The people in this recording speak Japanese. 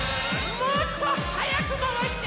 もっとはやくまわして！